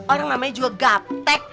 orang namanya juga gapek